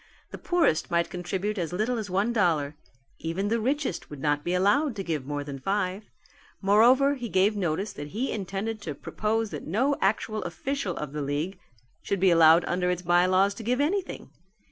The poorest might contribute as little as one dollar: even the richest would not be allowed to give more than five. Moreover he gave notice that he intended to propose that no actual official of the league should be allowed under its by laws to give anything.